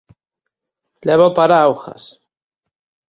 Leva o paraugas!